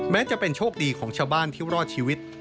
แม้จะเป็นโชคดีของชาวบ้านที่รอดชีวิต